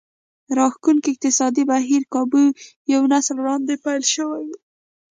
راښکوونکی اقتصادي بهير کابو یو نسل وړاندې پیل شوی و